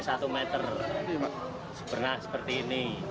sebenarnya seperti ini